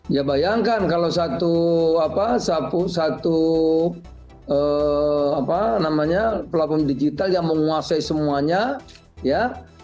ya bayangkan kalau satu platform digital yang menguasai semuanya ya